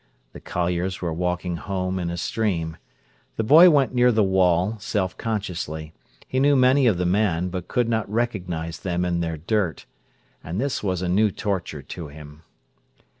The colliers were walking home in a stream. The boy went near the wall, self consciously. He knew many of the men, but could not recognise them in their dirt. And this was a new torture to him.